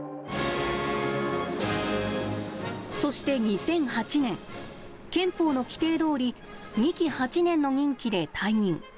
そして２００８年、憲法の規定どおり、２期８年の任期で退任。